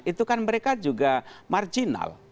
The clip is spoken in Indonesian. itu kan mereka juga marginal